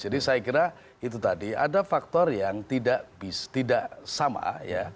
jadi saya kira itu tadi ada faktor yang tidak sama ya